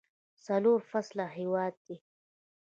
څلور فصله هیواد دی.